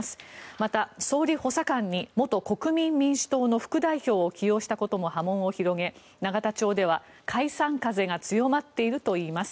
また、総理補佐官に元国民民主党の副代表を起用したことも波紋を広げ、永田町では解散風が強まっているといいます。